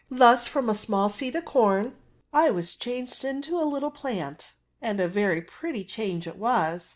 Thus from a small seed of corn I was changed into a little plant ; and a very pretty change it was.